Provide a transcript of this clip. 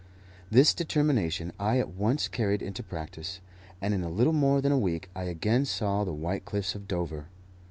This determination I at once carried into practice, and in a little more than a week I again saw the white cliffs of Dover.